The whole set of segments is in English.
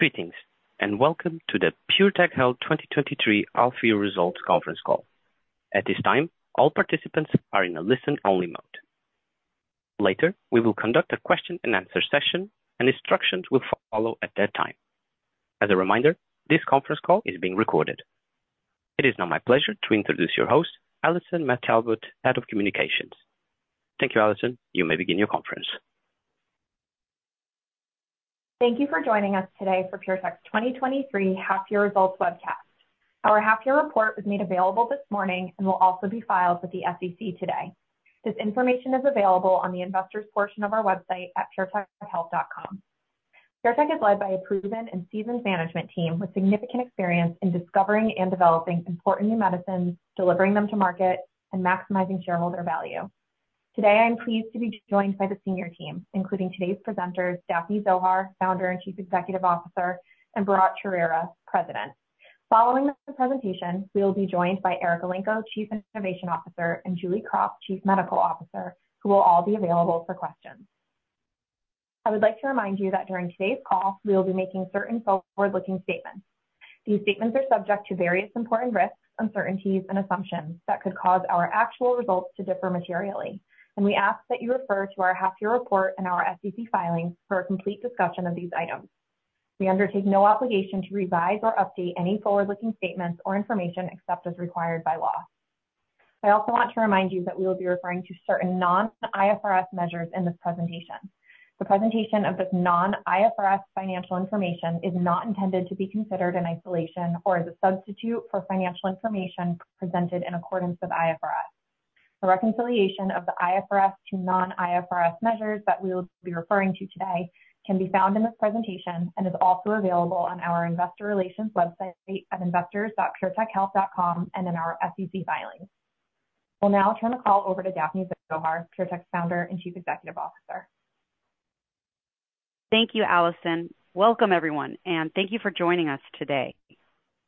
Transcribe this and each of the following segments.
Greetings, and welcome to the PureTech Health 2023 half-year results conference call. At this time, all participants are in a listen-only mode. Later, we will conduct a question and answer session, and instructions will follow at that time. As a reminder, this conference call is being recorded. It is now my pleasure to introduce your host, Allison Mead Talbot, Head of Communications. Thank you, Allison. You may begin your conference. Thank you for joining us today for PureTech's 2023 half-year results webcast. Our half-year report was made available this morning and will also be filed with the SEC today. This information is available on the investors portion of our website at puretechhealth.com. PureTech is led by a proven and seasoned management team with significant experience in discovering and developing important new medicines, delivering them to market, and maximizing shareholder value. Today, I'm pleased to be joined by the senior team, including today's presenters, Daphne Zohar, Founder and Chief Executive Officer, and Bharatt Chowrira, President. Following the presentation, we will be joined by Eric Elenko, Chief Innovation Officer, and Julie Krop, Chief Medical Officer, who will all be available for questions. I would like to remind you that during today's call, we will be making certain forward-looking statements. These statements are subject to various important risks, uncertainties, and assumptions that could cause our actual results to differ materially, and we ask that you refer to our half yearly report and our SEC filings for a complete discussion of these items. We undertake no obligation to revise or update any forward-looking statements or information except as required by law. I also want to remind you that we will be referring to certain non-IFRS measures in this presentation. The presentation of this non-IFRS financial information is not intended to be considered in isolation or as a substitute for financial information presented in accordance with IFRS. The reconciliation of the IFRS to non-IFRS measures that we will be referring to today can be found in this presentation and is also available on our investor relations website at investors.puretechhealth.com and in our SEC filings. We'll now turn the call over to Daphne Zohar, PureTech's Founder and Chief Executive Officer. Thank you, Allison. Welcome, everyone, and thank you for joining us today.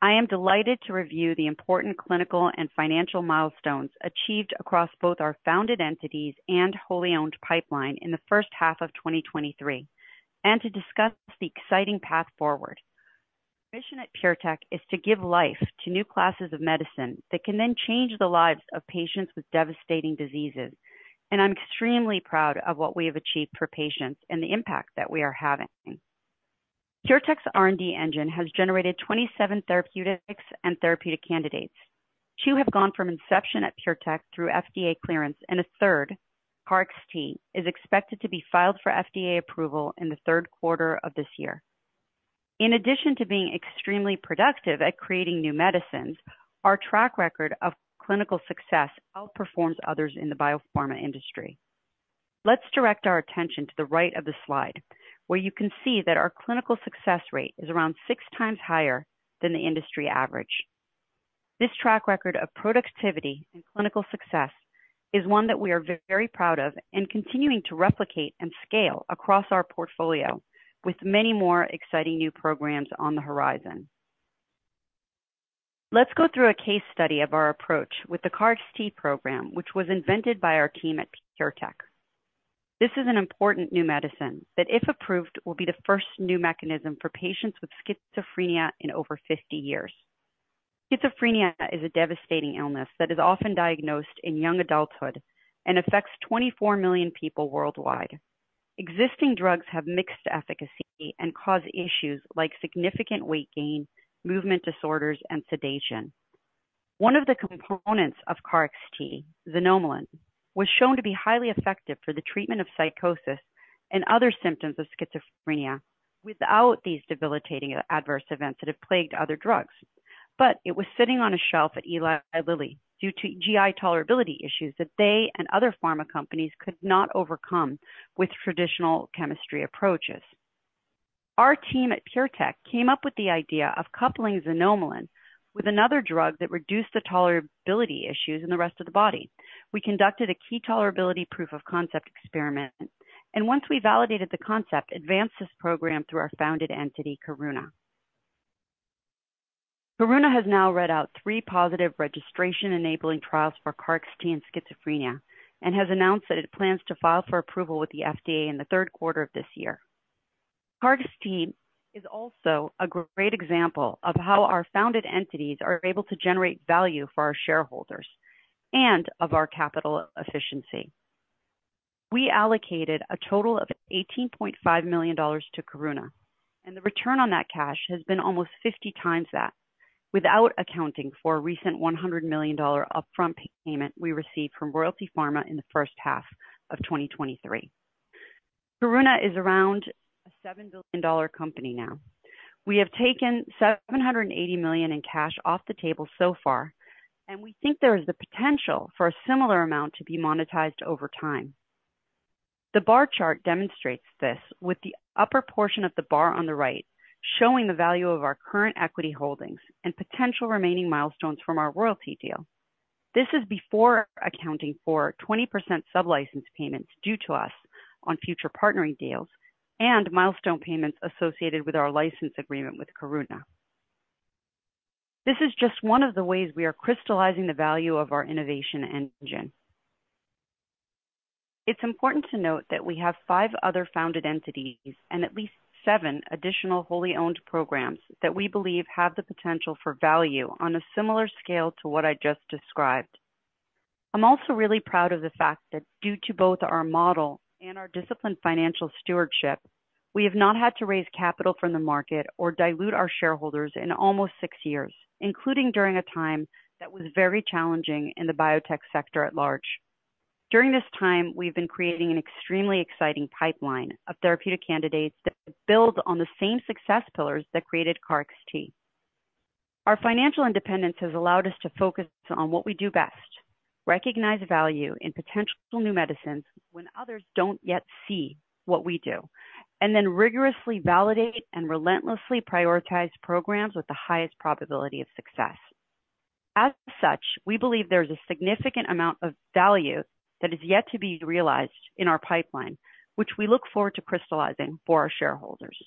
I am delighted to review the important clinical and financial milestones achieved across both our founded entities and wholly owned pipeline in the first half of 2023, and to discuss the exciting path forward. Our mission at PureTech is to give life to new classes of medicine that can then change the lives of patients with devastating diseases. I'm extremely proud of what we have achieved for patients and the impact that we are having. PureTech's R&D engine has generated 27 therapeutics and therapeutic candidates. Two have gone from inception at PureTech through FDA clearance, and a third, KarXT, is expected to be filed for FDA approval in the third quarter of this year. In addition to being extremely productive at creating new medicines, our track record of clinical success outperforms others in the biopharma industry. Let's direct our attention to the right of the slide, where you can see that our clinical success rate is around six times higher than the industry average. This track record of productivity and clinical success is one that we are very proud of and continuing to replicate and scale across our portfolio, with many more exciting new programs on the horizon. Let's go through a case study of our approach with the KarXT program, which was invented by our team at PureTech. This is an important new medicine that, if approved, will be the first new mechanism for patients with schizophrenia in over 50 years. Schizophrenia is a devastating illness that is often diagnosed in young adulthood and affects 24 million people worldwide. Existing drugs have mixed efficacy and cause issues like significant weight gain, movement disorders, and sedation. One of the components of KarXT, xanomeline, was shown to be highly effective for the treatment of psychosis and other symptoms of schizophrenia without these debilitating adverse events that have plagued other drugs. But it was sitting on a shelf at Eli Lilly due to GI tolerability issues that they and other pharma companies could not overcome with traditional chemistry approaches. Our team at PureTech came up with the idea of coupling xanomeline with another drug that reduced the tolerability issues in the rest of the body. We conducted a key tolerability proof of concept experiment, and once we validated the concept, advanced this program through our founded entity, Karuna. Karuna has now read out three positive registration-enabling trials for KarXT in schizophrenia and has announced that it plans to file for approval with the FDA in the third quarter of this year. KarXT is also a great example of how our founded entities are able to generate value for our shareholders and of our capital efficiency. We allocated a total of $18.5 million to Karuna, and the return on that cash has been almost 50 times that, without accounting for a recent $100 million upfront payment we received from Royalty Pharma in the first half of 2023. Karuna is around a $7 billion company now. We have taken $780 million in cash off the table so far, and we think there is the potential for a similar amount to be monetized over time. The bar chart demonstrates this, with the upper portion of the bar on the right showing the value of our current equity holdings and potential remaining milestones from our royalty deal. This is before accounting for 20% sublicense payments due to us on future partnering deals and milestone payments associated with our license agreement with Karuna. This is just one of the ways we are crystallizing the value of our innovation engine.... It's important to note that we have five other founded entities and at least seven additional wholly owned programs that we believe have the potential for value on a similar scale to what I just described. I'm also really proud of the fact that due to both our model and our disciplined financial stewardship, we have not had to raise capital from the market or dilute our shareholders in almost six years, including during a time that was very challenging in the biotech sector at large. During this time, we've been creating an extremely exciting pipeline of therapeutic candidates that build on the same success pillars that created KarXT. Our financial independence has allowed us to focus on what we do best, recognize value in potential new medicines when others don't yet see what we do, and then rigorously validate and relentlessly prioritize programs with the highest probability of success. As such, we believe there's a significant amount of value that is yet to be realized in our pipeline, which we look forward to crystallizing for our shareholders.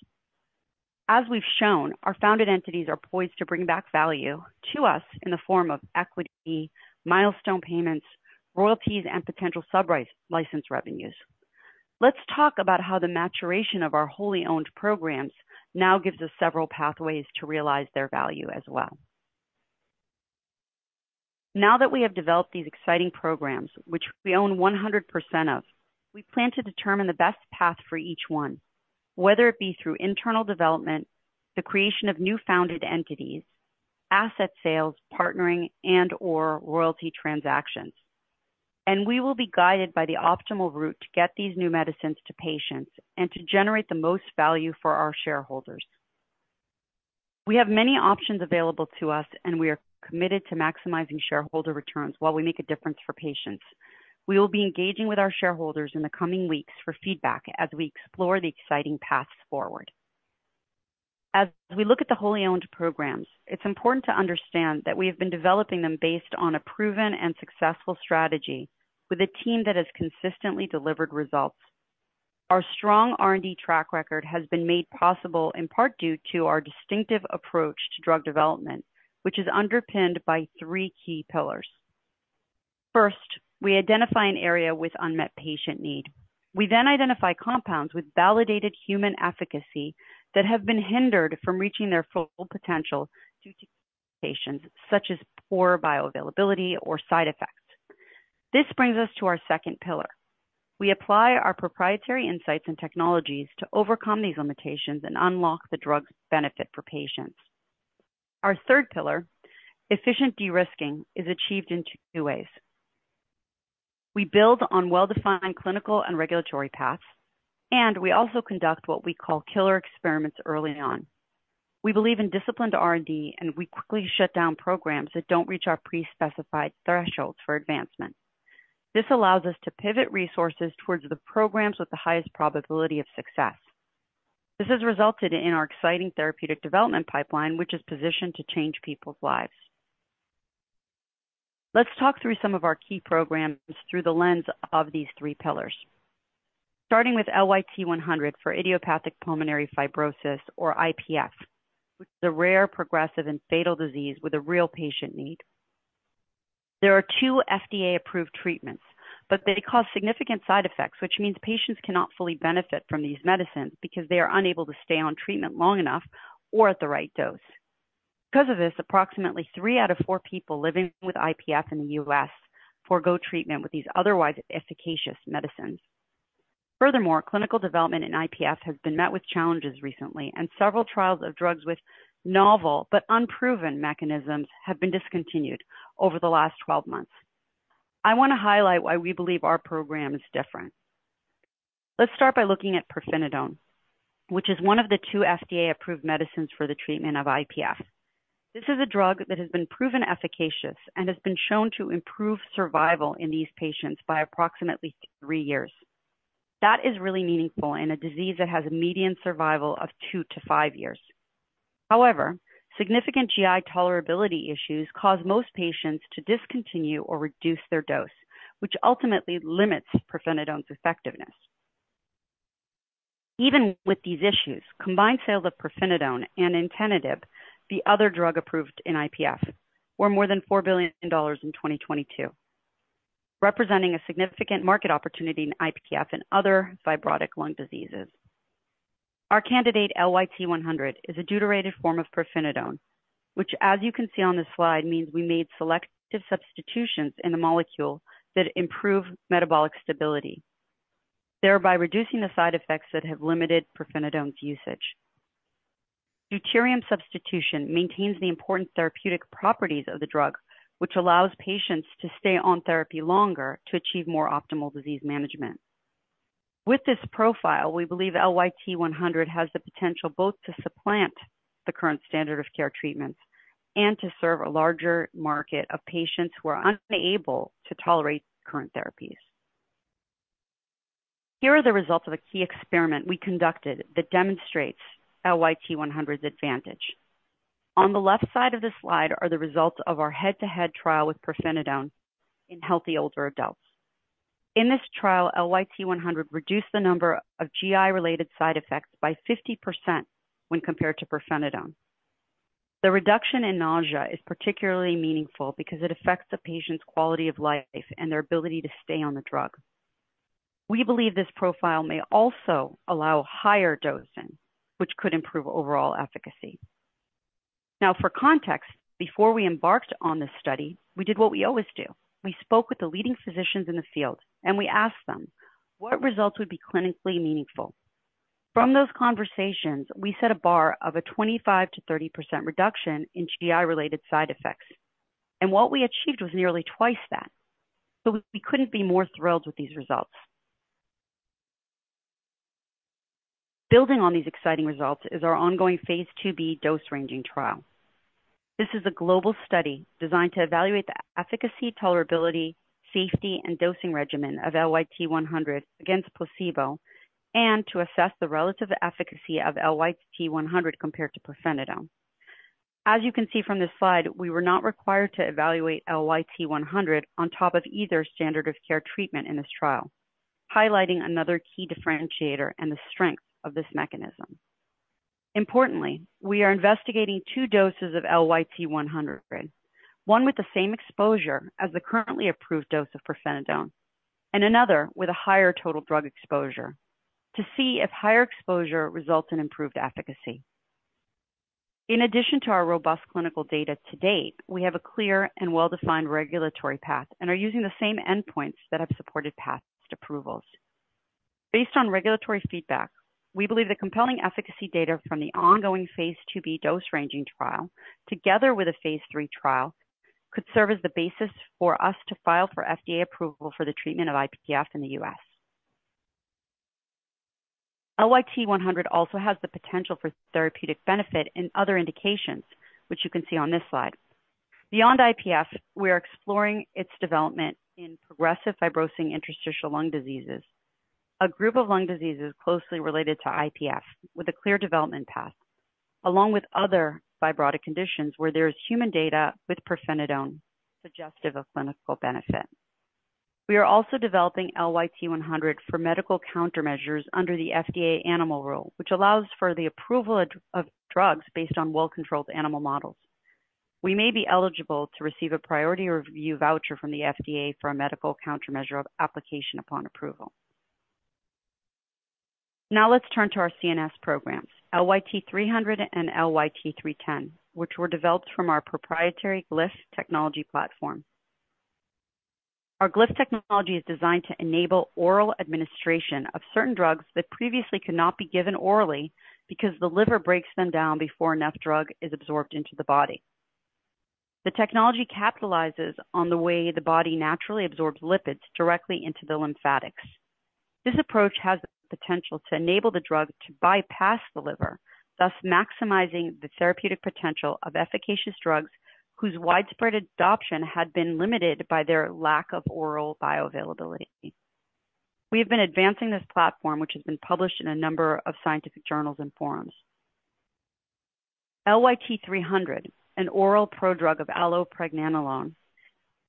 As we've shown, our founded entities are poised to bring back value to us in the form of equity, milestone payments, royalties, and potential sub license revenues. Let's talk about how the maturation of our wholly owned programs now gives us several pathways to realize their value as well. Now that we have developed these exciting programs, which we own 100% of, we plan to determine the best path for each one, whether it be through internal development, the creation of new founded entities, asset sales, partnering, and/or royalty transactions. We will be guided by the optimal route to get these new medicines to patients and to generate the most value for our shareholders. We have many options available to us, and we are committed to maximizing shareholder returns while we make a difference for patients. We will be engaging with our shareholders in the coming weeks for feedback as we explore the exciting paths forward. As we look at the wholly owned programs, it's important to understand that we have been developing them based on a proven and successful strategy with a team that has consistently delivered results. Our strong R&D track record has been made possible in part due to our distinctive approach to drug development, which is underpinned by three key pillars. First, we identify an area with unmet patient need. We then identify compounds with validated human efficacy that have been hindered from reaching their full potential due to limitations, such as poor bioavailability or side effects. This brings us to our second pillar. We apply our proprietary insights and technologies to overcome these limitations and unlock the drug's benefit for patients. Our third pillar, efficient de-risking, is achieved in two ways. We build on well-defined clinical and regulatory paths, and we also conduct what we call killer experiments early on. We believe in disciplined R&D, and we quickly shut down programs that don't reach our pre-specified thresholds for advancement. This allows us to pivot resources towards the programs with the highest probability of success. This has resulted in our exciting therapeutic development pipeline, which is positioned to change people's lives. Let's talk through some of our key programs through the lens of these three pillars. Starting with LYT-100 for idiopathic pulmonary fibrosis or IPF, which is a rare, progressive, and fatal disease with a real patient need. There are two FDA-approved treatments, but they cause significant side effects, which means patients cannot fully benefit from these medicines because they are unable to stay on treatment long enough or at the right dose. Because of this, approximately 3 out of 4 people living with IPF in the U.S. forgo treatment with these otherwise efficacious medicines. Furthermore, clinical development in IPF has been met with challenges recently, and several trials of drugs with novel but unproven mechanisms have been discontinued over the last 12 months. I want to highlight why we believe our program is different. Let's start by looking at pirfenidone, which is one of the two FDA-approved medicines for the treatment of IPF. This is a drug that has been proven efficacious and has been shown to improve survival in these patients by approximately 3 years. That is really meaningful in a disease that has a median survival of 2-5 years. However, significant GI tolerability issues cause most patients to discontinue or reduce their dose, which ultimately limits pirfenidone's effectiveness. Even with these issues, combined sales of pirfenidone and nintedanib, the other drug approved in IPF, were more than $4 billion in 2022, representing a significant market opportunity in IPF and other fibrotic lung diseases. Our candidate, LYT-100, is a deuterated form of pirfenidone, which, as you can see on the slide, means we made selective substitutions in the molecule that improve metabolic stability, thereby reducing the side effects that have limited pirfenidone's usage. Deuterium substitution maintains the important therapeutic properties of the drug, which allows patients to stay on therapy longer to achieve more optimal disease management. With this profile, we believe LYT-100 has the potential both to supplant the current standard of care treatments and to serve a larger market of patients who are unable to tolerate current therapies. Here are the results of a key experiment we conducted that demonstrates LYT-100's advantage. On the left side of this slide are the results of our head-to-head trial with pirfenidone in healthy older adults. In this trial, LYT-100 reduced the number of GI-related side effects by 50% when compared to pirfenidone. The reduction in nausea is particularly meaningful because it affects the patient's quality of life and their ability to stay on the drug. We believe this profile may also allow higher dosing, which could improve overall efficacy. Now, for context, before we embarked on this study, we did what we always do. We spoke with the leading physicians in the field, and we asked them what results would be clinically meaningful. From those conversations, we set a bar of a 25%-30% reduction in GI-related side effects, and what we achieved was nearly twice that. So we couldn't be more thrilled with these results. Building on these exciting results is our ongoing phase IIb dose ranging trial. This is a global study designed to evaluate the efficacy, tolerability, safety, and dosing regimen of LYT-100 against placebo, and to assess the relative efficacy of LYT-100 compared to pirfenidone. As you can see from this slide, we were not required to evaluate LYT-100 on top of either standard of care treatment in this trial, highlighting another key differentiator and the strength of this mechanism. Importantly, we are investigating two doses of LYT-100, one with the same exposure as the currently approved dose of pirfenidone and another with a higher total drug exposure to see if higher exposure results in improved efficacy. In addition to our robust clinical data to date, we have a clear and well-defined regulatory path and are using the same endpoints that have supported past approvals. Based on regulatory feedback, we believe the compelling efficacy data from the ongoing phase IIb dose ranging trial, together with a phase III trial, could serve as the basis for us to file for FDA approval for the treatment of IPF in the U.S. LYT-100 also has the potential for therapeutic benefit in other indications, which you can see on this slide. Beyond IPF, we are exploring its development in progressive fibrosing interstitial lung diseases, a group of lung diseases closely related to IPF with a clear development path, along with other fibrotic conditions where there is human data with pirfenidone suggestive of clinical benefit. We are also developing LYT-100 for medical countermeasures under the FDA Animal Rule, which allows for the approval of drugs based on well-controlled animal models. We may be eligible to receive a priority review voucher from the FDA for a medical countermeasure application upon approval. Now let's turn to our CNS programs, LYT-300 and LYT-310, which were developed from our proprietary Glyph technology platform. Our Glyph technology is designed to enable oral administration of certain drugs that previously could not be given orally because the liver breaks them down before enough drug is absorbed into the body. The technology capitalizes on the way the body naturally absorbs lipids directly into the lymphatics. This approach has the potential to enable the drug to bypass the liver, thus maximizing the therapeutic potential of efficacious drugs whose widespread adoption had been limited by their lack of oral bioavailability. We have been advancing this platform, which has been published in a number of scientific journals and forums. LYT-300, an oral prodrug of allopregnanolone,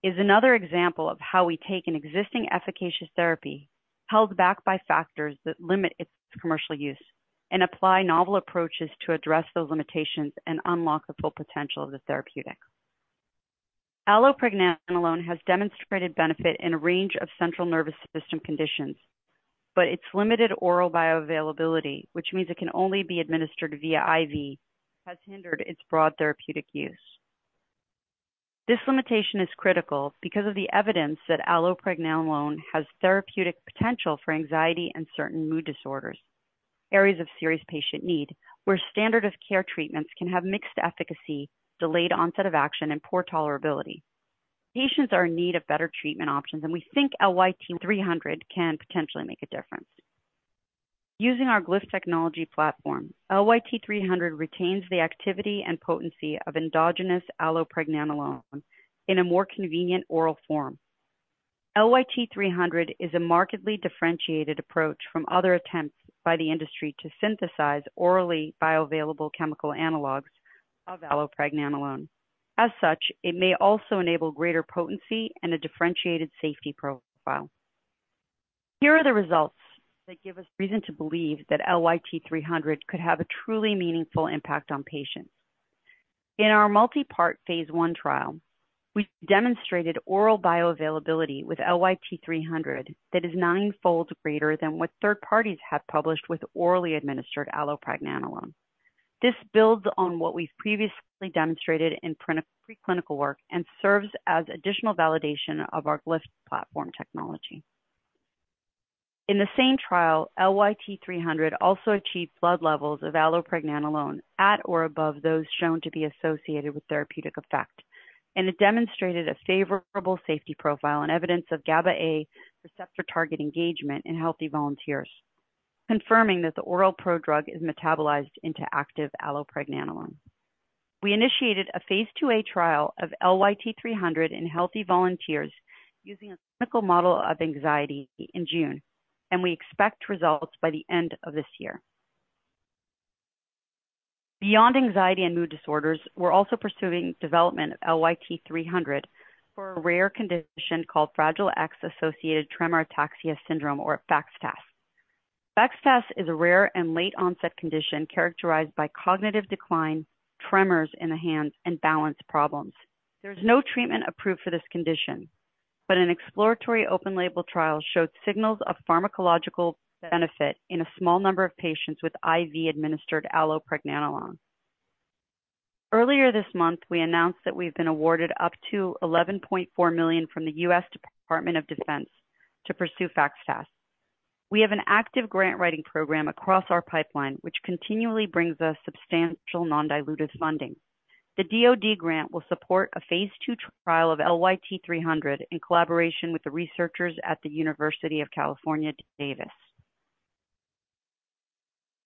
is another example of how we take an existing efficacious therapy, held back by factors that limit its commercial use, and apply novel approaches to address those limitations and unlock the full potential of the therapeutic. Allopregnanolone has demonstrated benefit in a range of central nervous system conditions, but its limited oral bioavailability, which means it can only be administered via IV, has hindered its broad therapeutic use. This limitation is critical because of the evidence that allopregnanolone has therapeutic potential for anxiety and certain mood disorders, areas of serious patient need, where standard of care treatments can have mixed efficacy, delayed onset of action, and poor tolerability. Patients are in need of better treatment options, and we think LYT-300 can potentially make a difference. Using our Glyph technology platform, LYT-300 retains the activity and potency of endogenous allopregnanolone in a more convenient oral form. LYT-300 is a markedly differentiated approach from other attempts by the industry to synthesize orally bioavailable chemical analogs of allopregnanolone. As such, it may also enable greater potency and a differentiated safety profile. Here are the results that give us reason to believe that LYT-300 could have a truly meaningful impact on patients. In our multi-part phase I trial, we demonstrated oral bioavailability with LYT-300 that is ninefold greater than what third parties have published with orally administered allopregnanolone. This builds on what we've previously demonstrated in preclinical work and serves as additional validation of our Glyph platform technology. In the same trial, LYT-300 also achieved blood levels of allopregnanolone at or above those shown to be associated with therapeutic effect, and it demonstrated a favorable safety profile and evidence of GABA A receptor target engagement in healthy volunteers, confirming that the oral prodrug is metabolized into active allopregnanolone. We initiated a Phase 2a trial of LYT-300 in healthy volunteers using a clinical model of anxiety in June, and we expect results by the end of this year. Beyond anxiety and mood disorders, we're also pursuing development of LYT-300 for a rare condition called Fragile X-Associated Tremor Ataxia Syndrome, or FXTAS. FXTAS is a rare and late-onset condition characterized by cognitive decline, tremors in the hands, and balance problems. There's no treatment approved for this condition, but an exploratory open label trial showed signals of pharmacological benefit in a small number of patients with IV administered allopregnanolone. Earlier this month, we announced that we've been awarded up to $11.4 million from the US Department of Defense to pursue FXTAS. We have an active grant writing program across our pipeline, which continually brings us substantial non-dilutive funding. The DoD grant will support a phase 2 trial of LYT-300 in collaboration with the researchers at the University of California, Davis.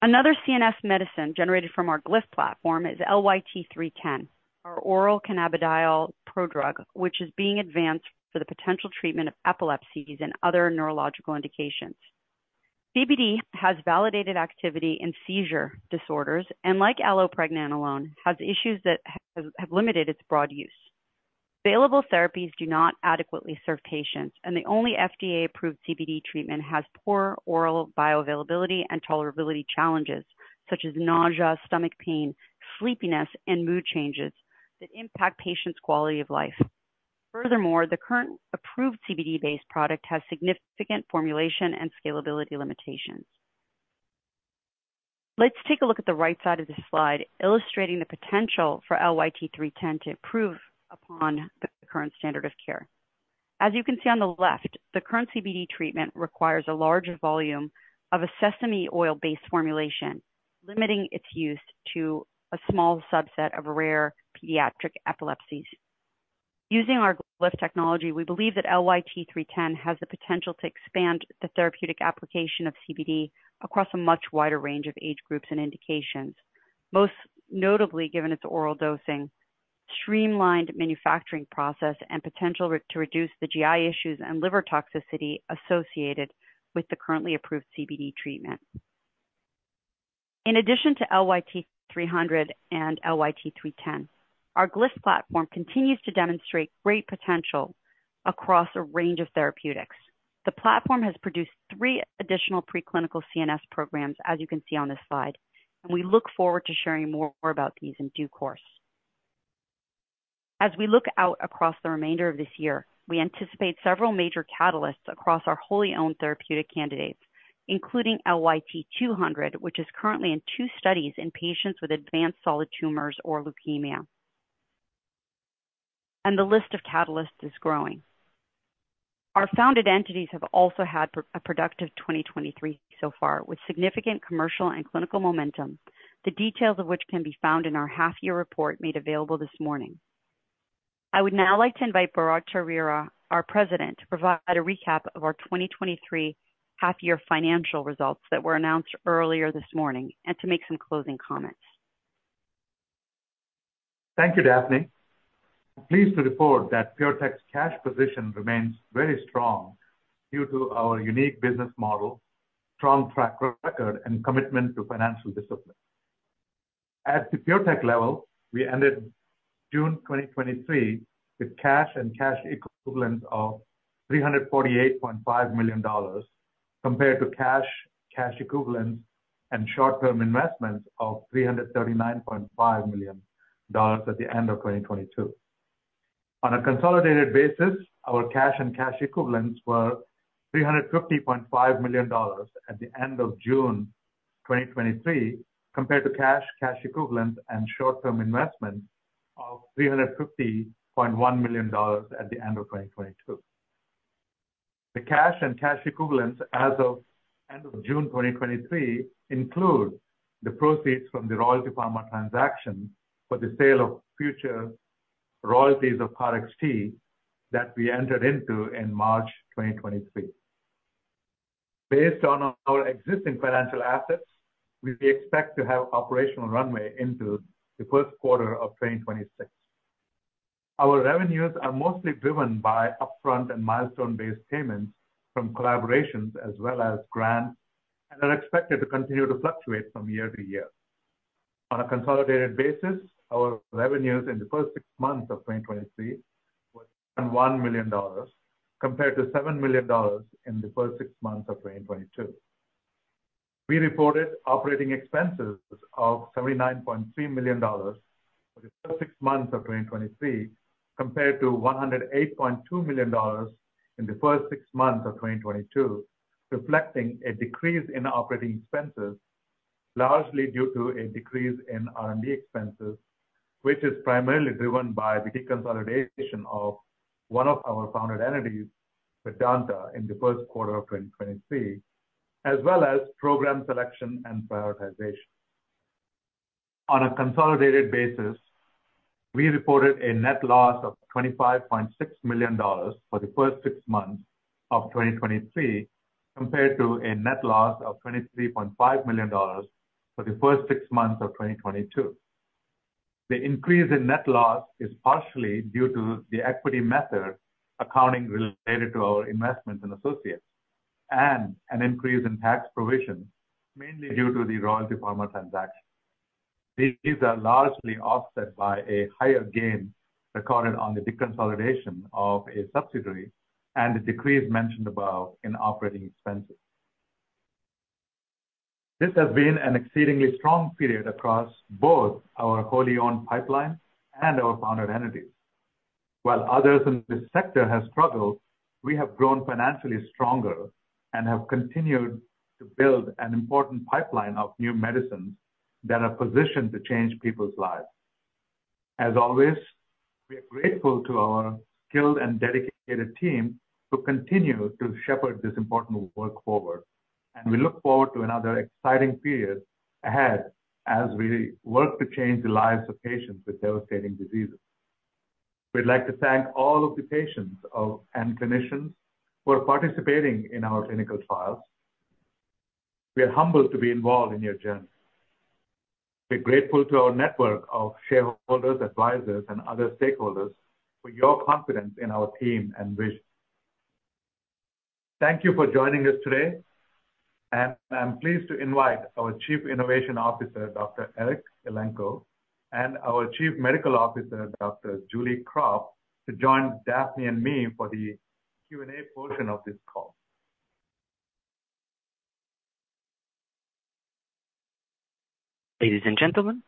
Another CNS medicine generated from our Glyph platform is LYT-310, our oral cannabidiol prodrug, which is being advanced for the potential treatment of epilepsies and other neurological indications. CBD has validated activity in seizure disorders and, like allopregnanolone, has issues that have limited its broad use. Available therapies do not adequately serve patients, and the only FDA-approved CBD treatment has poor oral bioavailability and tolerability challenges such as nausea, stomach pain, sleepiness, and mood changes that impact patients' quality of life. Furthermore, the current approved CBD-based product has significant formulation and scalability limitations. Let's take a look at the right side of this slide, illustrating the potential for LYT-310 to improve upon the current standard of care. As you can see on the left, the current CBD treatment requires a larger volume of a sesame oil-based formulation, limiting its use to a small subset of rare pediatric epilepsies. Using our Glyph technology, we believe that LYT-310 has the potential to expand the therapeutic application of CBD across a much wider range of age groups and indications, most notably, given its oral dosing, streamlined manufacturing process, and potential to reduce the GI issues and liver toxicity associated with the currently approved CBD treatment. In addition to LYT-300 and LYT-310, our Glyph platform continues to demonstrate great potential across a range of therapeutics. The platform has produced three additional preclinical CNS programs, as you can see on this slide, and we look forward to sharing more about these in due course. As we look out across the remainder of this year, we anticipate several major catalysts across our wholly owned therapeutic candidates, including LYT-200, which is currently in two studies in patients with advanced solid tumors or leukemia. And the list of catalysts is growing. Our founded entities have also had a productive 2023 so far, with significant commercial and clinical momentum, the details of which can be found in our half year report made available this morning. I would now like to invite Bharatt Chowrira, our President, to provide a recap of our 2023 half year financial results that were announced earlier this morning, and to make some closing comments. Thank you, Daphne. I'm pleased to report that PureTech's cash position remains very strong due to our unique business model, strong track record, and commitment to financial discipline. At the PureTech level, we ended June 2023 with cash and cash equivalents of $348.5 million, compared to cash, cash equivalents, and short-term investments of $339.5 million at the end of 2022. On a consolidated basis, our cash and cash equivalents were $350.5 million at the end of June 2023, compared to cash, cash equivalents and short-term investments of $350.1 million at the end of 2022. The cash and cash equivalents as of end of June 2023 include the proceeds from the Royalty Pharma transaction for the sale of future royalties of KarXT that we entered into in March 2023. Based on our existing financial assets, we expect to have operational runway into the first quarter of 2026. Our revenues are mostly driven by upfront and milestone-based payments from collaborations as well as grants, and are expected to continue to fluctuate from year to year. On a consolidated basis, our revenues in the first six months of 2023 were $1 million, compared to $7 million in the first six months of 2022. We reported operating expenses of $79.3 million for the first six months of 2023, compared to $108.2 million in the first six months of 2022, reflecting a decrease in operating expenses, largely due to a decrease in R&D expenses, which is primarily driven by the deconsolidation of one of our founded entities, Vedanta, in the first quarter of 2023, as well as program selection and prioritization. On a consolidated basis, we reported a net loss of $25.6 million for the first six months of 2023, compared to a net loss of $23.5 million for the first six months of 2022. The increase in net loss is partially due to the equity method accounting related to our investments in associates and an increase in tax provision, mainly due to the Royalty Pharma transaction.... These are largely offset by a higher gain recorded on the deconsolidation of a subsidiary and the decrease mentioned above in operating expenses. This has been an exceedingly strong period across both our wholly-owned pipeline and our founded entities. While others in this sector have struggled, we have grown financially stronger and have continued to build an important pipeline of new medicines that are positioned to change people's lives. As always, we are grateful to our skilled and dedicated team who continue to shepherd this important work forward, and we look forward to another exciting period ahead as we work to change the lives of patients with devastating diseases. We'd like to thank all of the patients and clinicians who are participating in our clinical trials. We are humbled to be involved in your journey. We're grateful to our network of shareholders, advisors, and other stakeholders for your confidence in our team and vision. Thank you for joining us today, and I'm pleased to invite our Chief Innovation Officer, Dr. Eric Elenko, and our Chief Medical Officer, Dr. Julie Kropf, to join Daphne and me for the Q&A portion of this call. Ladies and gentlemen,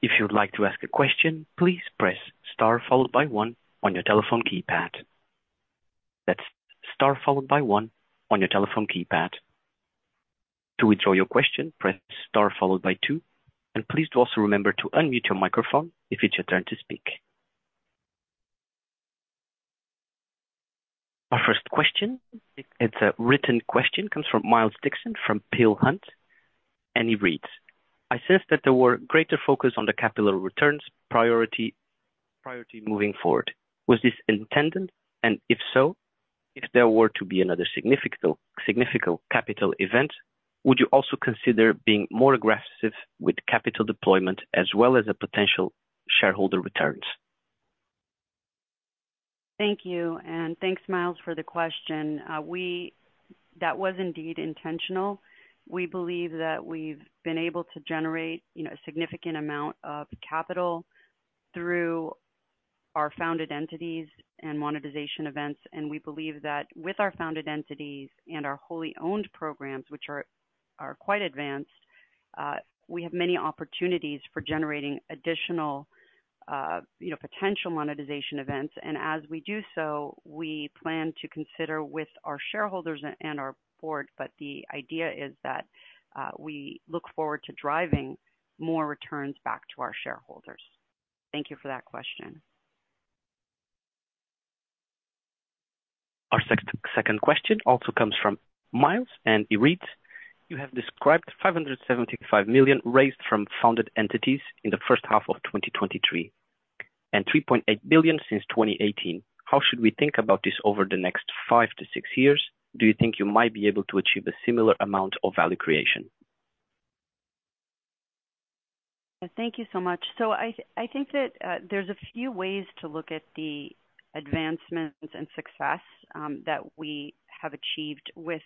if you'd like to ask a question, please press star followed by one on your telephone keypad. That's star followed by one on your telephone keypad. To withdraw your question, press star followed by two, and please do also remember to unmute your microphone if it's your turn to speak. Our first question, it's a written question, comes from Miles Dixon from Peel Hunt, and he reads: I said that there were greater focus on the capital returns priority, priority moving forward. Was this intended? And if so, if there were to be another significant, significant capital event, would you also consider being more aggressive with capital deployment as well as a potential shareholder returns? Thank you, and thanks, Miles, for the question. That was indeed intentional. We believe that we've been able to generate, you know, a significant amount of capital through our founded entities and monetization events, and we believe that with our founded entities and our wholly owned programs, which are quite advanced, we have many opportunities for generating additional, you know, potential monetization events. And as we do so, we plan to consider with our shareholders and our board, but the idea is that we look forward to driving more returns back to our shareholders. Thank you for that question. Our second question also comes from Miles, and he reads: You have described $575 million raised from founded entities in the first half of 2023, and $3.8 billion since 2018. How should we think about this over the next 5-6 years? Do you think you might be able to achieve a similar amount of value creation? Thank you so much. I think that there's a few ways to look at the advancements and success that we have achieved with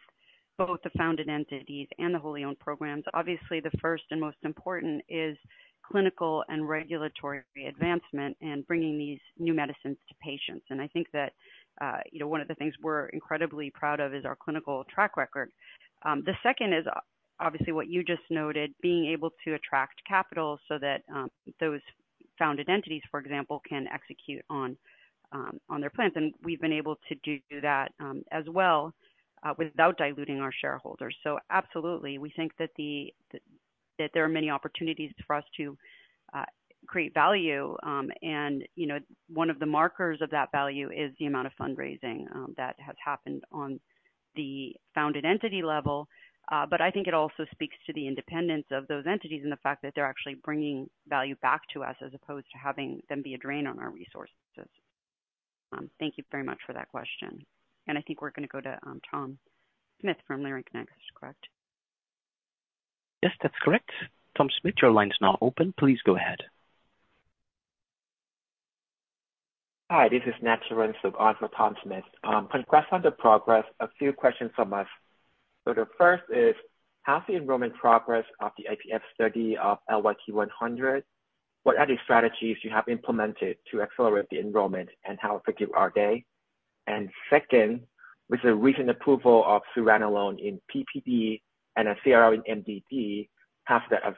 both the founded entities and the wholly owned programs. Obviously, the first and most important is clinical and regulatory advancement and bringing these new medicines to patients. And I think that, you know, one of the things we're incredibly proud of is our clinical track record. The second is obviously what you just noted, being able to attract capital so that those founded entities, for example, can execute on their plans. And we've been able to do that, as well, without diluting our shareholders. So absolutely, we think that the, that there are many opportunities for us to create value, and, you know, one of the markers of that value is the amount of fundraising that has happened on the founded entity level. But I think it also speaks to the independence of those entities and the fact that they're actually bringing value back to us as opposed to having them be a drain on our resources. Thank you very much for that question. And I think we're going to go to Tom Smith from Leerink Partners, correct? Yes, that's correct. Tom Smith, your line is now open. Please go ahead. Hi, this is Nat Terrence on behalf of Tom Smith. Congrats on the progress. A few questions from us. So the first is: How's the enrollment progress of the IPF study of LYT-100? What are the strategies you have implemented to accelerate the enrollment, and how effective are they? And second, with the recent approval of zuranolone in PPD and FCR in MDD, how does that,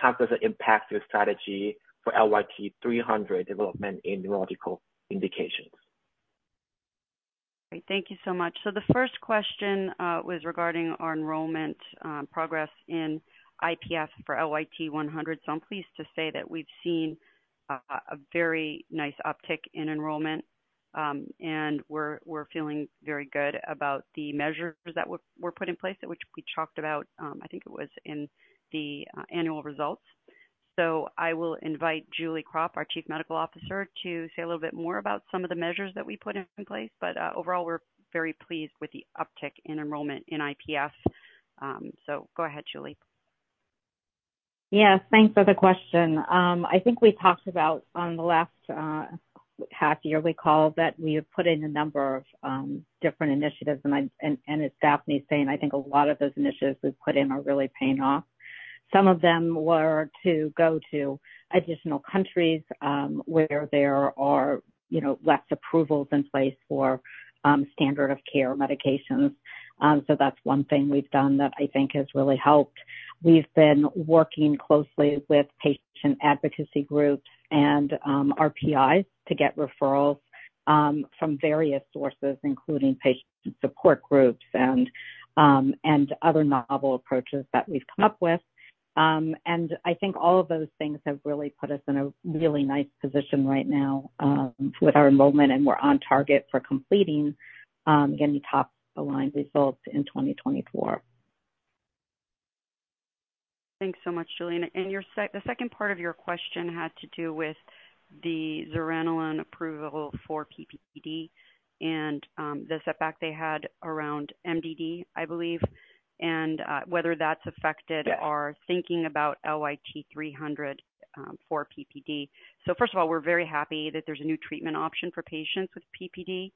how does it impact your strategy for LYT-300 development in neurological indications? Great. Thank you so much. So the first question was regarding our enrollment progress in IPF for LYT-100. So I'm pleased to say that we've seen a very nice uptick in enrollment, and we're feeling very good about the measures that were put in place, which we talked about, I think it was in the annual results. So I will invite Julie Krop, our Chief Medical Officer, to say a little bit more about some of the measures that we put in place. But overall, we're very pleased with the uptick in enrollment in IPF. Go ahead, Julie. Yes, thanks for the question. I think we talked about on the last half year call that we have put in a number of different initiatives, and as Daphne is saying, I think a lot of those initiatives we've put in are really paying off. Some of them were to go to additional countries where there are, you know, less approvals in place for standard of care medications. So that's one thing we've done that I think has really helped. We've been working closely with patient advocacy groups and our PIs to get referrals from various sources, including patient support groups and other novel approaches that we've come up with. I think all of those things have really put us in a really nice position right now with our enrollment, and we're on target for completing getting top-line results in 2024. Thanks so much, Julie. And the second part of your question had to do with the zuranolone approval for PPD and the setback they had around MDD, I believe, and whether that's affected- Yes. -our thinking about LYT-300, for PPD. So first of all, we're very happy that there's a new treatment option for patients with PPD.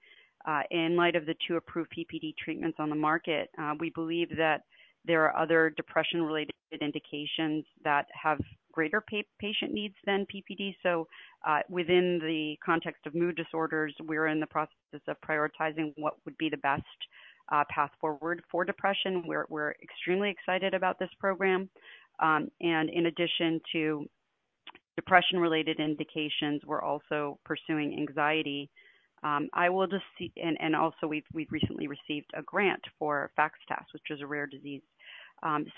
In light of the two approved PPD treatments on the market, we believe that there are other depression-related indications that have greater patient needs than PPD. So, within the context of mood disorders, we're in the process of prioritizing what would be the best path forward for depression. We're, we're extremely excited about this program. And in addition to depression-related indications, we're also pursuing anxiety. I will just see... And, and also we've, we've recently received a grant for FXTAS, which is a rare disease.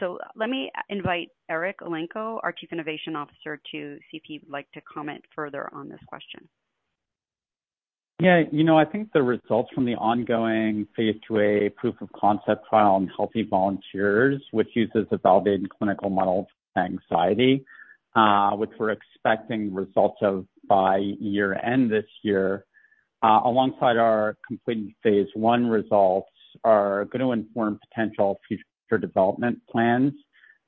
So let me invite Eric Elenko, our Chief Innovation Officer, to see if he would like to comment further on this question. Yeah, you know, I think the results from the ongoing phase 2a proof-of-concept trial on healthy volunteers, which uses a validated clinical model for anxiety, which we're expecting results of by year-end this year, alongside our completing phase 1 results, are going to inform potential future development plans,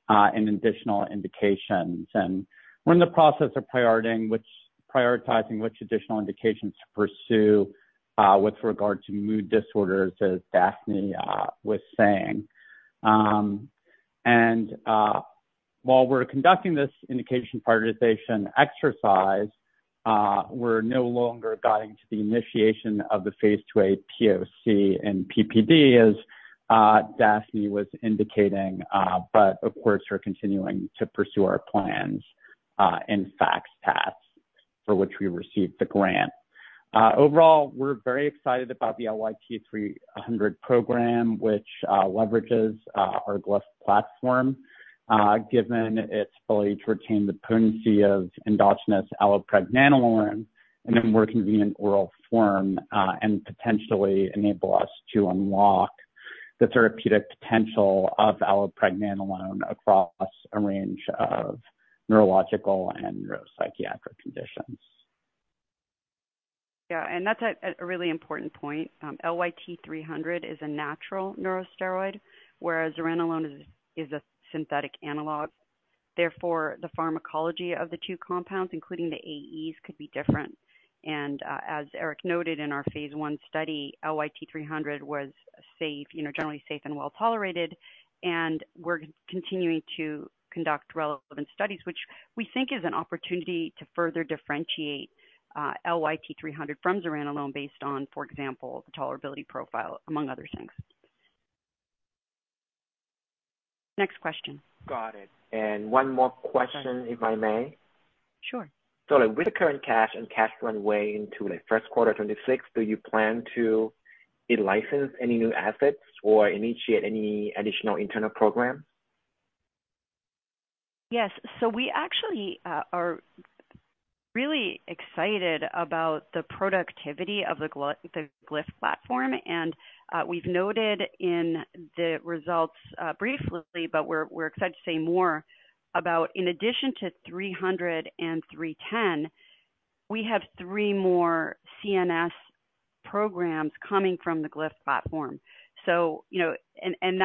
and additional indications. And we're in the process of prioritizing which, prioritizing which additional indications to pursue, with regard to mood disorders, as Daphne was saying. And, while we're conducting this indication prioritization exercise, we're no longer guiding to the initiation of the phase 2a POC in PPD, as Daphne was indicating, but of course, we're continuing to pursue our plans, in FXTAS for which we received the grant. Overall, we're very excited about the LYT-300 program, which leverages our Glyph platform, given its ability to retain the potency of endogenous allopregnanolone in a more convenient oral form, and potentially enable us to unlock the therapeutic potential of allopregnanolone across a range of neurological and neuropsychiatric conditions. Yeah, and that's a really important point. LYT-300 is a natural neurosteroid, whereas zuranolone is a synthetic analog. Therefore, the pharmacology of the two compounds, including the AEs, could be different. And, as Eric noted in our phase I study, LYT-300 was safe, you know, generally safe and well tolerated. And we're continuing to conduct relevant studies, which we think is an opportunity to further differentiate, LYT-300 from zuranolone based on, for example, the tolerability profile, among other things. Next question. Got it. And one more question, if I may? Sure. So with the current cash and cash runway into the first quarter 2026, do you plan to either license any new assets or initiate any additional internal programs? Yes. So we actually are really excited about the productivity of the Glyph platform, and we've noted in the results briefly, but we're excited to say more about in addition to 300 and 310, we have three more CNS programs coming from the Glyph platform. So, you know, and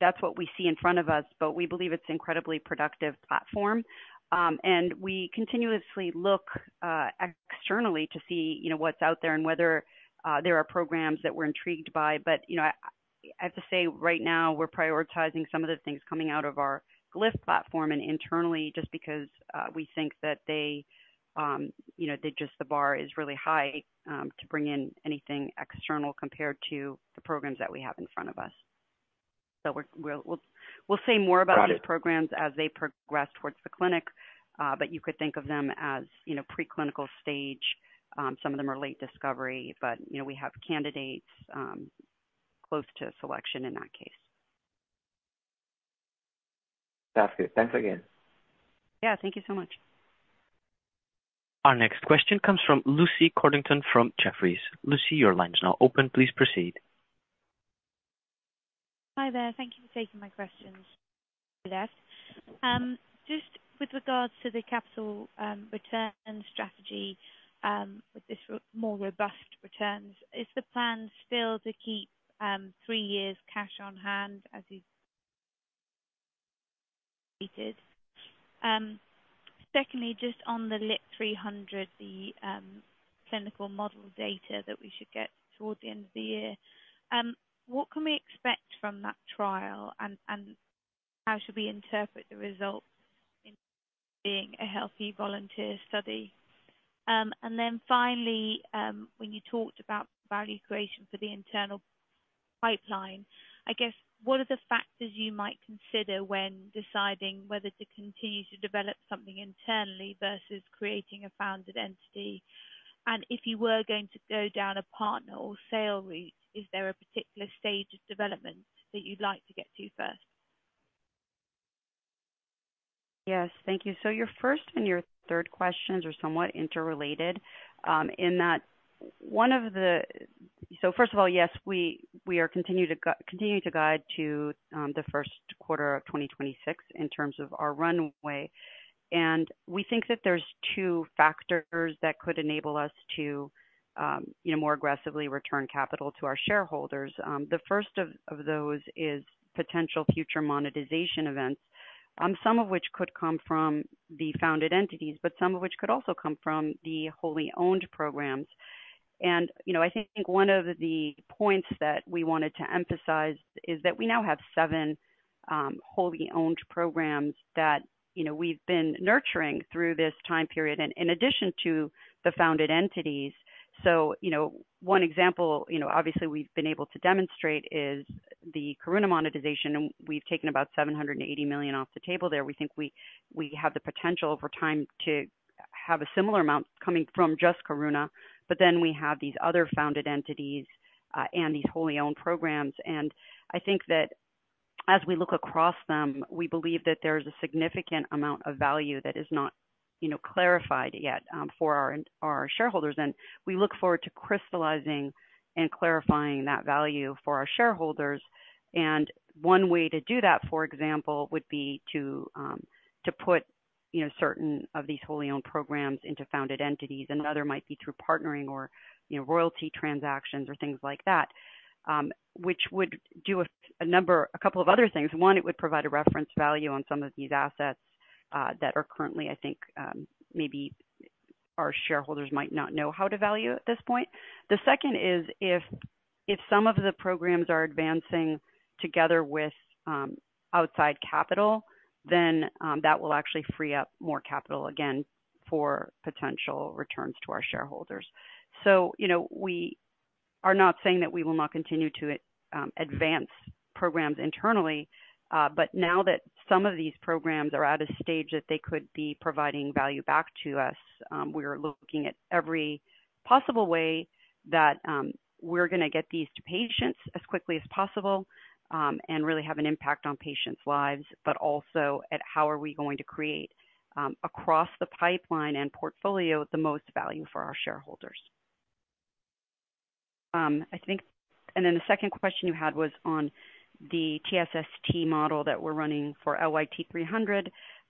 that's what we see in front of us, but we believe it's incredibly productive platform. And we continuously look externally to see, you know, what's out there and whether there are programs that we're intrigued by. But, you know, I have to say right now, we're prioritizing some of the things coming out of our Glyph platform and internally, just because, we think that they, you know, they just the bar is really high, to bring in anything external compared to the programs that we have in front of us. So we're, we'll, we'll, we'll say more about- Got it. these programs as they progress towards the clinic, but you could think of them as, you know, preclinical stage. Some of them are late discovery, but, you know, we have candidates close to selection in that case. That's good. Thanks again. Yeah, thank you so much. Our next question comes from Lucy Codrington, from Jefferies. Lucy, your line is now open. Please proceed. Hi there. Thank you for taking my questions. Just with regards to the capital return strategy, with this more robust returns, is the plan still to keep three years cash on hand as you've stated? Secondly, just on the LYT-300, the clinical model data that we should get toward the end of the year. What can we expect from that trial, and how should we interpret the results in being a healthy volunteer study? And then finally, when you talked about value creation for the internal pipeline, I guess, what are the factors you might consider when deciding whether to continue to develop something internally versus creating a founded entity? And if you were going to go down a partner or sale route, is there a particular stage of development that you'd like to get to first? Yes, thank you. So your first and your third questions are somewhat interrelated, in that. So first of all, yes, we are continuing to guide to the first quarter of 2026 in terms of our runway. And we think that there's 2 factors that could enable us to, you know, more aggressively return capital to our shareholders. The first of those is potential future monetization events, some of which could come from the founded entities, but some of which could also come from the wholly owned programs. And, you know, I think one of the points that we wanted to emphasize is that we now have 7 wholly owned programs that, you know, we've been nurturing through this time period, and in addition to the founded entities. So, you know, one example, you know, obviously we've been able to demonstrate is the Karuna monetization, and we've taken about $780 million off the table there. We think we have the potential over time to have a similar amount coming from just Karuna, but then we have these other founded entities, and these wholly owned programs. And I think that as we look across them, we believe that there's a significant amount of value that is not, you know, clarified yet, for our shareholders. And we look forward to crystallizing and clarifying that value for our shareholders. And one way to do that, for example, would be to put, you know, certain of these wholly owned programs into founded entities. Another might be through partnering or, you know, royalty transactions or things like that, which would do a couple of other things. One, it would provide a reference value on some of these assets that are currently, I think, maybe our shareholders might not know how to value at this point. The second is, if some of the programs are advancing together with outside capital, then that will actually free up more capital, again, for potential returns to our shareholders. So, you know, we are not saying that we will not continue to advance programs internally, but now that some of these programs are at a stage that they could be providing value back to us, we are looking at every possible way that we're gonna get these to patients as quickly as possible, and really have an impact on patients' lives, but also at how are we going to create, across the pipeline and portfolio, the most value for our shareholders. I think... And then the second question you had was on the TSST model that we're running for LYT-300,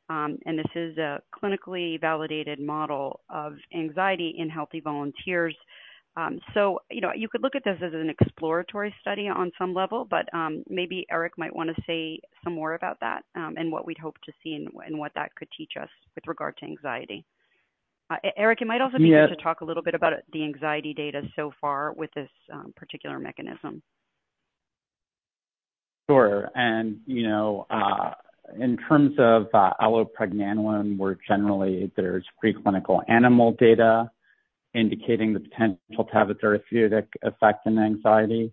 and this is a clinically validated model of anxiety in healthy volunteers. So, you know, you could look at this as an exploratory study on some level, but maybe Eric might want to say some more about that, and what we'd hope to see and what that could teach us with regard to anxiety. Eric, it might also be good to talk a little bit about the anxiety data so far with this particular mechanism. Sure. And, you know, in terms of, allopregnanolone, we're generally there's preclinical animal data indicating the potential to have a therapeutic effect in anxiety,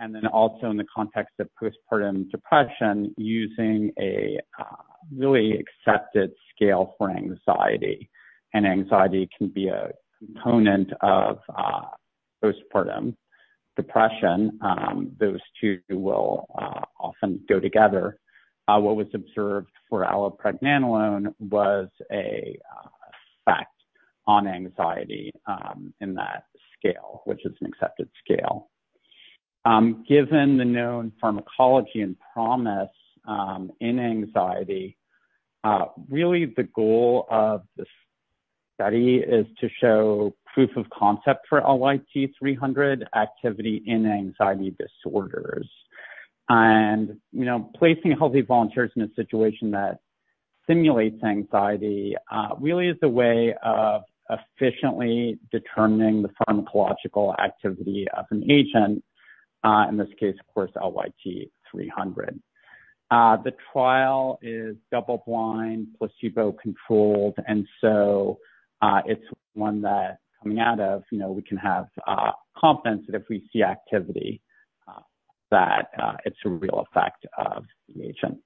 and then also in the context of postpartum depression, using a really accepted scale for anxiety. And anxiety can be a component of, postpartum depression. Those two will often go together. What was observed for allopregnanolone was a effect on anxiety, in that scale, which is an accepted scale. Given the known pharmacology and promise, in anxiety, really the goal of this study is to show proof of concept for LYT-300 activity in anxiety disorders. And, you know, placing healthy volunteers in a situation that simulates anxiety, really is a way of efficiently determining the pharmacological activity of an agent, in this case, of course, LYT-300. The trial is double blind, placebo-controlled, and so, it's one that coming out of, you know, we can have confidence that if we see activity, that it's a real effect of the agent.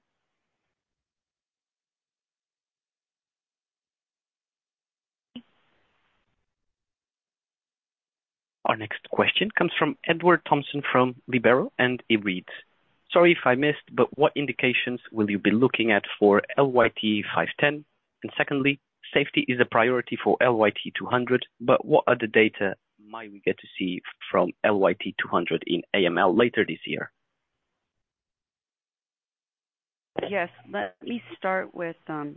Our next question comes from Edward Thomason from Liberum, and it reads: Sorry if I missed, but what indications will you be looking at for LYT-510? And secondly, safety is a priority for LYT-200, but what other data might we get to see from LYT-200 in AML later this year? Yes, let me start with the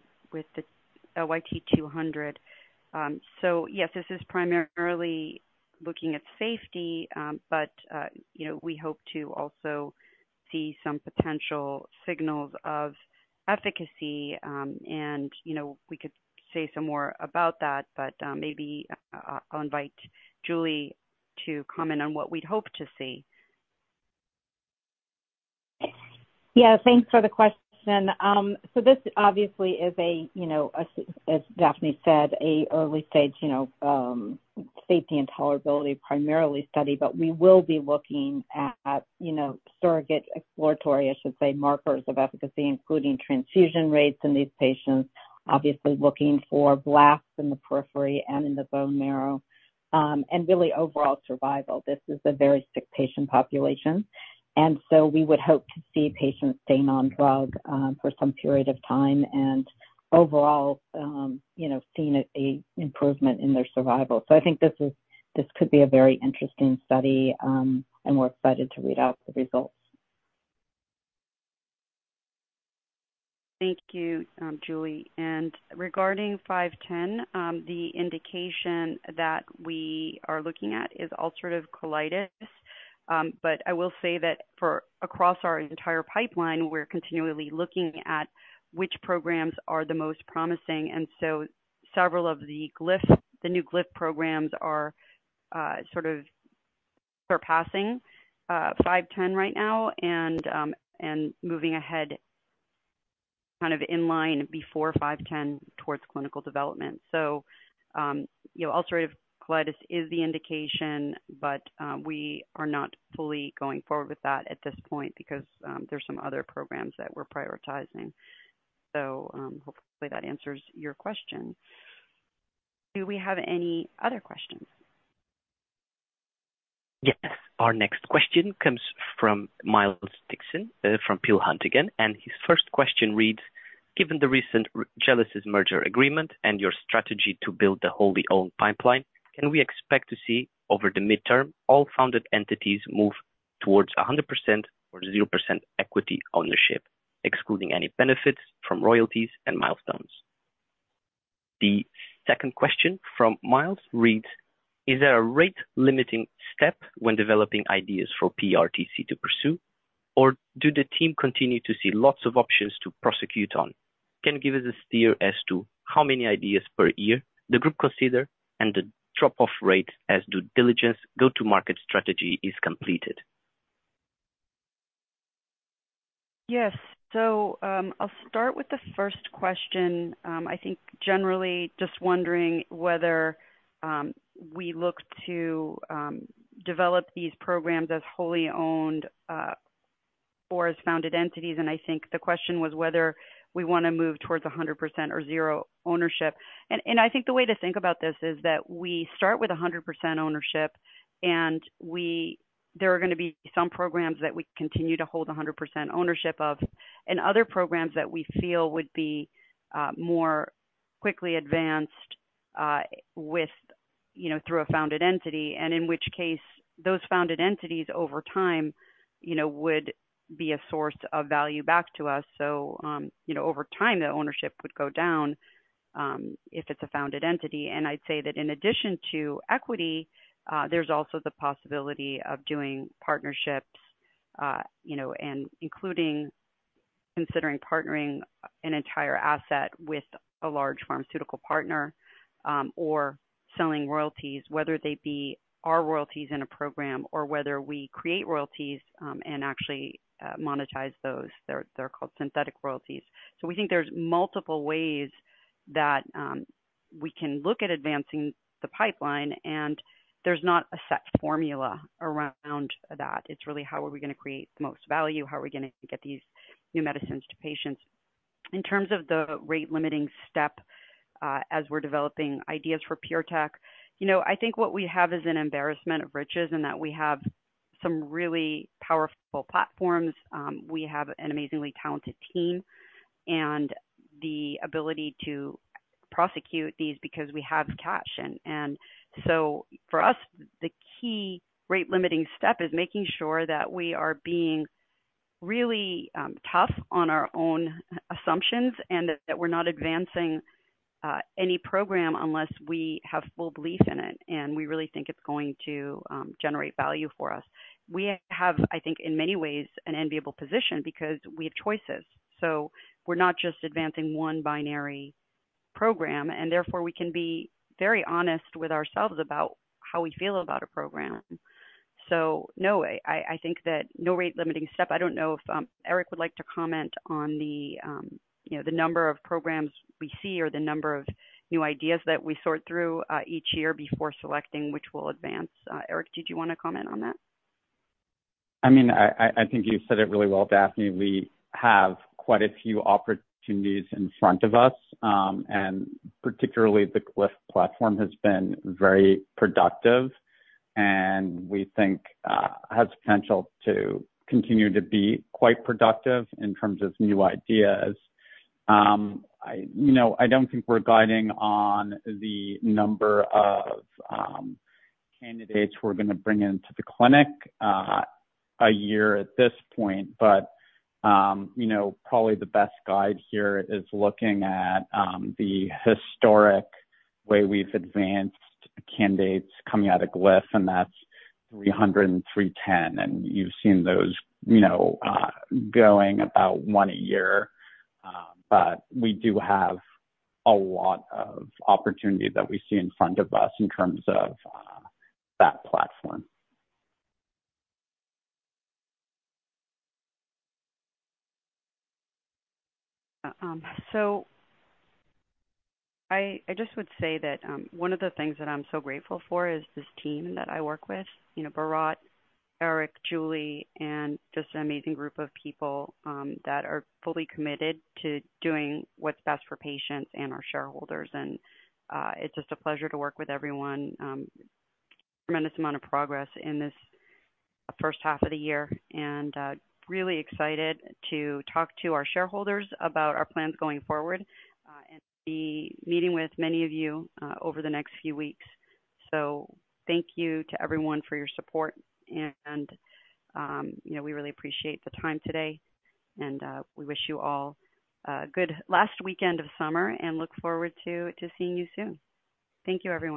LYT-200. So yes, this is primarily looking at safety, but you know, we hope to also see some potential signals of efficacy. And you know, we could say some more about that, but maybe I'll invite Julie to comment on what we'd hope to see. Yeah, thanks for the question. So this obviously is, you know, as Daphne said, an early stage, you know, safety and tolerability primarily study. But we will be looking at, you know, surrogate exploratory, I should say, markers of efficacy, including transfusion rates in these patients. Obviously, looking for blasts in the periphery and in the bone marrow, and really overall survival. This is a very sick patient population, and so we would hope to see patients stay on drug for some period of time and overall, you know, seeing an improvement in their survival. So I think this is, this could be a very interesting study, and we're excited to read out the results. Thank you, Julie. Regarding five ten, the indication that we are looking at is ulcerative colitis. But I will say that for across our entire pipeline, we're continually looking at which programs are the most promising. Several of the Glyph, the new Glyph programs are sort of surpassing five ten right now and moving ahead, kind of in line before five ten towards clinical development. You know, ulcerative colitis is the indication, but we are not fully going forward with that at this point because there's some other programs that we're prioritizing. Hopefully that answers your question. Do we have any other questions? Yes. Our next question comes from Miles Dixon from Peel Hunt again. And his first question reads: Given the recent Gelesis merger agreement and your strategy to build the wholly owned pipeline, can we expect to see, over the midterm, all founded entities move towards 100% or 0% equity ownership, excluding any benefits from royalties and milestones? The second question from Miles reads: Is there a rate-limiting step when developing ideas for PureTech to pursue, or do the team continue to see lots of options to prosecute on? Can you give us a steer as to how many ideas per year the group consider and the drop-off rate as due diligence go-to-market strategy is completed? Yes. So, I'll start with the first question. I think generally just wondering whether we look to develop these programs as wholly owned or as founded entities. I think the question was whether we want to move towards 100% or 0 ownership. I think the way to think about this is that we start with 100% ownership, and there are gonna be some programs that we continue to hold 100% ownership of, and other programs that we feel would be more quickly advanced with, you know, through a founded entity, and in which case those founded entities over time, you know, would be a source of value back to us. So, you know, over time, the ownership would go down if it's a founded entity. And I'd say that in addition to equity, there's also the possibility of doing partnerships, you know, and including considering partnering an entire asset with a large pharmaceutical partner, or selling royalties, whether they be our royalties in a program or whether we create royalties, and actually, monetize those. They're, they're called synthetic royalties. So we think there's multiple ways that, we can look at advancing the pipeline, and there's not a set formula around that. It's really, how are we gonna create the most value? How are we gonna get these new medicines to patients? In terms of the rate-limiting step, as we're developing ideas for PureTech, you know, I think what we have is an embarrassment of riches and that we have some really powerful platforms. We have an amazingly talented team and the ability to prosecute these because we have cash. And so for us, the key rate-limiting step is making sure that we are being really tough on our own assumptions, and that we're not advancing any program unless we have full belief in it, and we really think it's going to generate value for us. We have, I think, in many ways, an enviable position because we have choices. So we're not just advancing one binary program, and therefore, we can be very honest with ourselves about how we feel about a program. So no, I think that no rate-limiting step. I don't know if Eric would like to comment on the, you know, the number of programs we see or the number of new ideas that we sort through each year before selecting which we'll advance. Eric, did you want to comment on that? I mean, I think you said it really well, Daphne. We have quite a few opportunities in front of us, and particularly the Glyph platform has been very productive and we think has potential to continue to be quite productive in terms of new ideas. You know, I don't think we're guiding on the number of candidates we're gonna bring into the clinic a year at this point. But you know, probably the best guide here is looking at the historic way we've advanced candidates coming out of Glyph, and that's LYT-300 and LYT-310. And you've seen those, you know, going about one a year. But we do have a lot of opportunity that we see in front of us in terms of that platform. So I just would say that one of the things that I'm so grateful for is this team that I work with. You know, Bharatt, Eric, Julie, and just an amazing group of people that are fully committed to doing what's best for patients and our shareholders. And it's just a pleasure to work with everyone. Tremendous amount of progress in this first half of the year and really excited to talk to our shareholders about our plans going forward and be meeting with many of you over the next few weeks. So thank you to everyone for your support and you know, we really appreciate the time today, and we wish you all a good last weekend of summer and look forward to seeing you soon. Thank you, everyone.